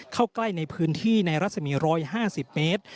เข้าใกล้ในพื้นที่ในรัศมี๑๕๐เมตร